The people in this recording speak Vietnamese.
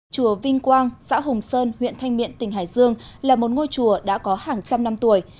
chùa vinh quang xã hùng sơn huyện thanh miện tỉnh hải dương là một ngôi chùa đã có hàng trăm năm tuổi